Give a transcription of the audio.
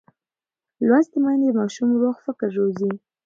لوستې میندې د ماشوم روغ فکر روزي.